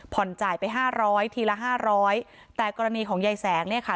จ่ายไปห้าร้อยทีละห้าร้อยแต่กรณีของยายแสงเนี่ยค่ะ